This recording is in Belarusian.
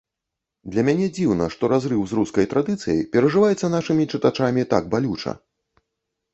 Для мяне дзіўна, што разрыў з рускай традыцыяй перажываецца нашымі чытачамі так балюча.